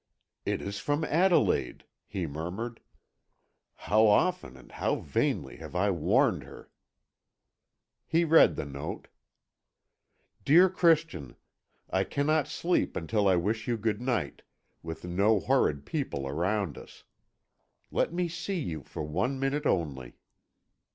"It is from Adelaide," he murmured. "How often and how vainly have I warned her!" He read the note: "Dear Christian: "I cannot sleep until I wish you good night, with no horrid people around us. Let me see you for one minute only.